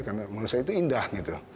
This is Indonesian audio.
karena menurut saya itu indah gitu